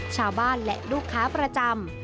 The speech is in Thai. ชาวบ้านและลูกค้าประจำ